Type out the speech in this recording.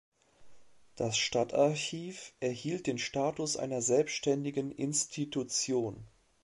Das Stadtarchiv erhielt den Status einer selbständigen Institution.